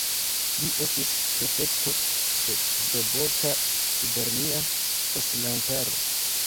Li estis prefekto de Doboka, gubernia konsilantaro.